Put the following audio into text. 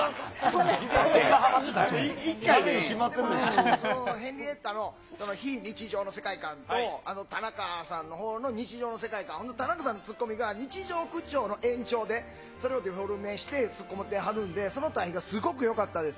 でもね、そのヘンリエッタの非日常の世界観と、たなかさんの日常の世界観、本当、たなかさんのツッコミが、日常口調の延長で、それをデフォルメしてツッコんではるんで、すごくよかったです。